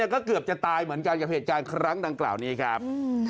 ก็เกือบจะตายเหมือนกันกับเหตุการณ์ครั้งดังกล่าวนี้ครับ